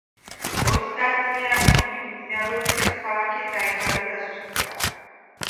ოცდაათწლიანი ომის მიმდინარეობისას, ქალაქი დაინგრა და დასუსტდა.